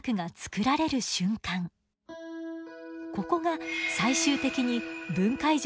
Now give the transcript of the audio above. ここが最終的に分界条